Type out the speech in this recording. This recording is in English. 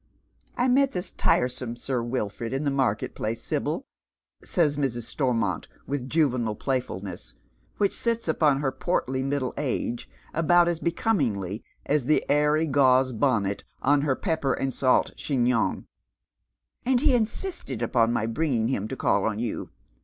"I mot this tiresome Sir WiJtord in tlie market place, Sibyl," says Mrs. Stonnont with juvenile playfulness — whidi sits upon her portly middle ago about as becomingly as the airy gauze bonnet on her pepper and salt chignon, —" and he insisted upon my bringing him to call on you.